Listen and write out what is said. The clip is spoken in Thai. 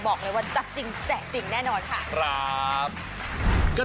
บอกเลยว่าจัดจริงแจกจริงแน่นอนค่ะครับ